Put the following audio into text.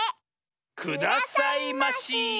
くださいまし。